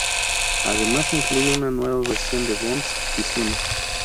Además incluye una nueva versión de Bonds ~Kizuna~.